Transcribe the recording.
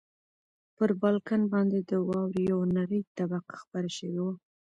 پر بالکن باندې د واورې یوه نری طبقه خپره شوې وه.